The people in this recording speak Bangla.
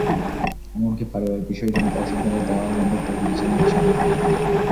এমনকি পারিবারিক বিষয়ে তিনি তার সিদ্ধান্ত দেওয়াও বন্ধ করে দিয়েছিলেন একসময়।